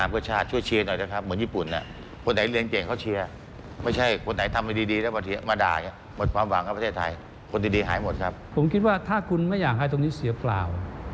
ผมคิดว่าถ้าคุณไม่อยากให้ตรงนี้เสียเปล่า